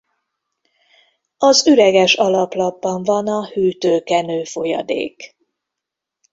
Az üreges alaplapban van a hütő-kenő folyadék.